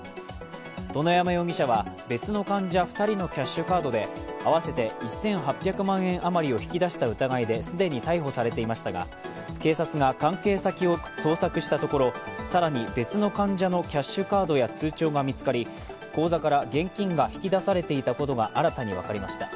殿山容疑者は別の患者２人のキャッシュカードで合わせて１８００万円あまりを引き出した疑いで既に逮捕されていましたが警察が関係先を捜索したところ、更に別の患者のキャッシュカードや通帳が見つかり口座から現金が引き出されていたことが新たに分かりました。